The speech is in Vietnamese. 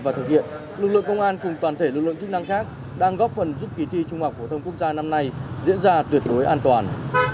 và thực hiện lực lượng công an cùng toàn thể lực lượng chức năng khác đang góp phần giúp kỳ thi trung học phổ thông quốc gia năm nay diễn ra tuyệt đối an toàn